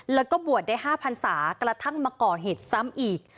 แล้วก็บวชได้๕พันศากระทั่งมาก่อเหตุซ้ำอีก